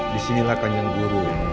disinilah kanyang guru